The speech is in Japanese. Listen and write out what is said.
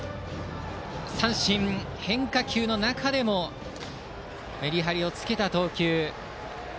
変化球の中でもメリハリをつけた投球。